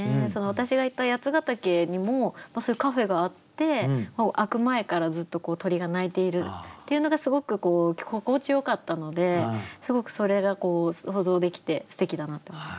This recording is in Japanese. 私が行った八ヶ岳にもそういうカフェがあって開く前からずっと鳥が鳴いているっていうのがすごく心地よかったのですごくそれが想像できてすてきだなと思います。